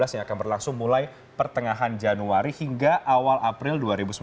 yang akan berlangsung mulai pertengahan januari hingga awal april dua ribu sembilan belas